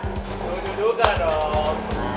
setuju juga dong